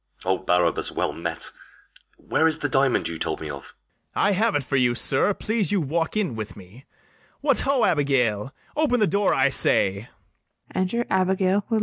O, Barabas, well met; Where is the diamond you told me of? BARABAS. I have it for you, sir: please you walk in with me. What, ho, Abigail! open the door, I say!